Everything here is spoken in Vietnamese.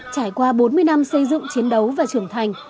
trải qua bốn mươi năm xây dựng chiến đấu và trưởng thành